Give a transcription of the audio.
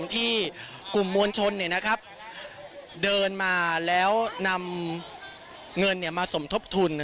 ที่กลุ่มมวลชนเดินมาแล้วนำเงินมาสมทบทุน